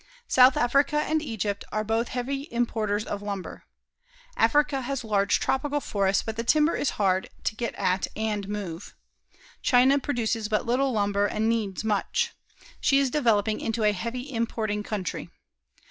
South Africa and Egypt are both heavy importers of lumber. Africa has large tropical forests but the timber is hard to get at and move. China produces but little lumber and needs much. She is developing into a heavy importing country.